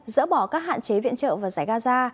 dỡ bỏ các hạn chế viện trợ vào giải gaza